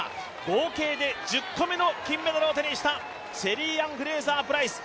合計で１０個目の金メダルを手にしたシェリーアン・フレイザー・プライス。